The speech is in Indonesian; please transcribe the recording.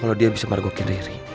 kalau dia bisa meragukin riri